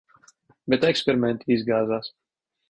Bet eksperimenti izgāzās.